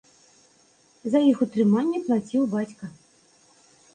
За іх утрыманне плаціў бацька.